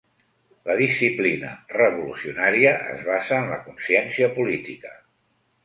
La disciplina «revolucionària» es basa en la consciència política